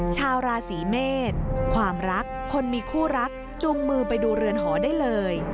ชาวราศีเมษความรักคนมีคู่รักจูงมือไปดูเรือนหอได้เลย